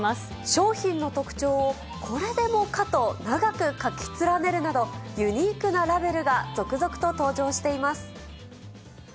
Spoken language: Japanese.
商品の特徴をこれでもかと長く書き連ねるなど、ユニークなラベルが続々と登場しています。